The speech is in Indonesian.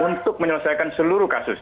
untuk menyelesaikan seluruh kasus